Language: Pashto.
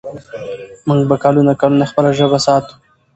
موږ به کلونه کلونه خپله ژبه ساتو.